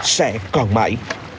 sẽ còn mãi